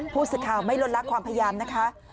ผู้สื่อข่าวไม่ลดละความพยายามนะคะ